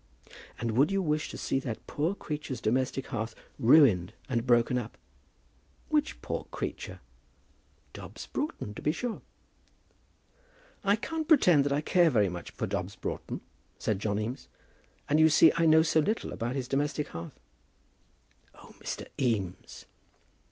"And would you wish to see that poor creature's domestic hearth ruined and broken up?" "Which poor creature?" "Dobbs Broughton, to be sure." "I can't pretend that I care very much for Dobbs Broughton," said John Eames; "and you see I know so little about his domestic hearth." "Oh, Mr. Eames!"